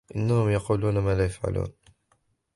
وَأَنَّهُمْ يَقُولُونَ مَا لَا يَفْعَلُونَ